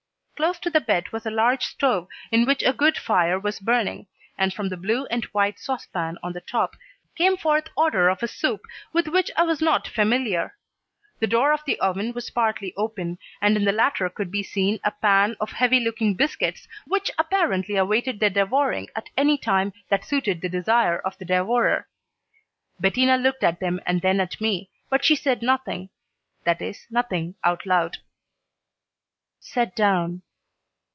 Close to the bed was a large stove in which a good fire was burning, and from the blue and white saucepan on the top came forth odor of a soup with which I was not familiar. The door of the oven was partly open, and in the latter could be seen a pan of heavy looking biscuits which apparently awaited their devouring at any time that suited the desire of the devourer. Bettina looked at them and then at me, but she said nothing that is, nothing out loud. "Set down."